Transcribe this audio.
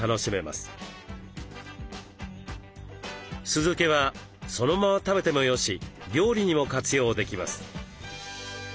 酢漬けはそのまま食べてもよし料理にも活用できます。